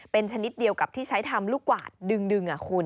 เป็นชนิดเดียวกับที่ใช้ทำลูกกวาดดึงคุณ